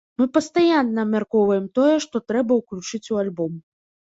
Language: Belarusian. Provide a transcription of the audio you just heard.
Мы пастаянна абмяркоўваем тое, што трэба ўключыць у альбом.